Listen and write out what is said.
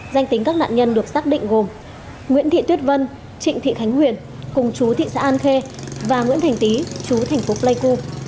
danh tính các nạn nhân được xác định gồm nguyễn thị tuyết vân trịnh thị khánh huyền cùng chú thị xã an khê và nguyễn thành tý chú thành phố pleiku